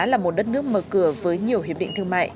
là một đất nước mở cửa với nhiều hiệp định thương mại